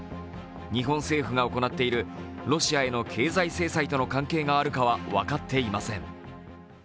日本政府が行っているロシアへの経済制裁との関係があるかは分かっていません。